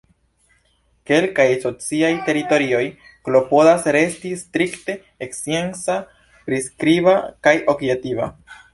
Kelkaj sociaj teorioj klopodas resti strikte scienca, priskriba, kaj objektiva.